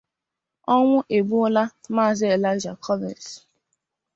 Ọnwụ egbuola Maazị Elaịja Commings